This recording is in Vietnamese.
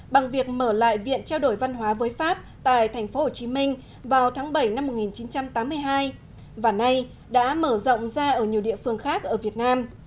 bằng việc mở lại viện trao đổi văn hóa với pháp tại tp hcm vào tháng bảy năm một nghìn chín trăm tám mươi hai và nay đã mở rộng ra ở nhiều địa phương khác ở việt nam